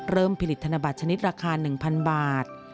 ผลิตธนบัตรชนิดราคา๑๐๐บาท